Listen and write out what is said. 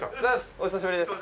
お久しぶりです。